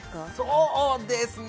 そうですね